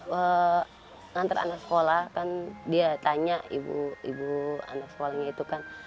kan nganter anak sekolah dia tanya ibu anak sekolahnya itu kan